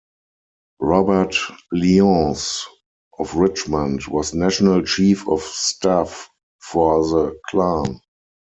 Robert Lyons, of Richmond, was national chief of staff for the Klan.